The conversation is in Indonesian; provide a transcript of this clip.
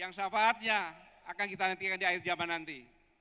yang syafaatnya akan kita nantikan di akhir jaman nanti